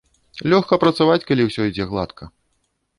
Лёгка працаваць, калі ўсё ідзе гладка.